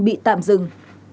bị tạm dừng